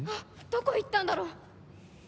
どこ行ったんだろう？